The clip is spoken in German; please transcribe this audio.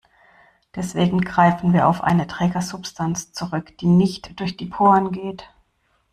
Deswegen greifen wir auf eine Trägersubstanz zurück, die nicht durch die Poren geht.